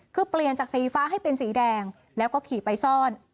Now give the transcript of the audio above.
คือเปลี่ยนจากสีฟ้าให้เป็นสีแดงแล้วก็ขี่ไปซ่อน